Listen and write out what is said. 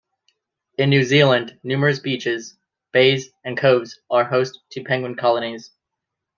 In New Zealand numerous beaches, bays and coves are host to penguin colonies.